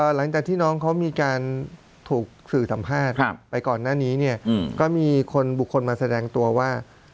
หลังจากที่น้องเขามีการถูกสื่อสัมภาษณ์ไปก่อนหน้านี้เนี่ยก็มีคนบุคคลมาแสดงตัวว่า